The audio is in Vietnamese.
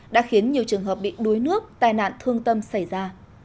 đã khiến nhiều trường hợp bị đuối nước tai nạn thương tâm xảy ra